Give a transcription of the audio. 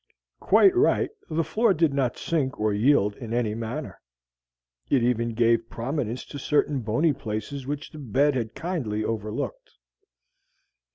Quite right, the floor did not sink or yield in any manner. It even gave prominence to certain bony places which the bed had kindly overlooked.